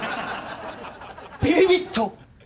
ビビビッと！